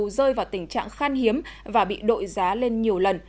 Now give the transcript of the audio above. thuốc tamiflu rơi vào tình trạng khan hiếm và bị đội giá lên nhiều lần